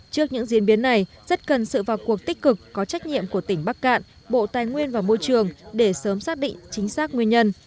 trước những diễn biến này rất cần sự vào cuộc tích cực có trách nhiệm của tỉnh bắc cạn bộ tài nguyên và môi trường để sớm xác định chính xác nguyên nhân